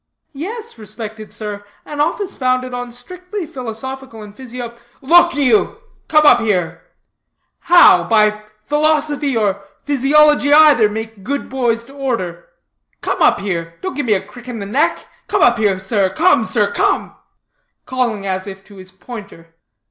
"Yes, respected sir, an office founded on strictly philosophical and physio " "Look you come up here how, by philosophy or physiology either, make good boys to order? Come up here. Don't give me a crick in the neck. Come up here, come, sir, come," calling as if to his pointer.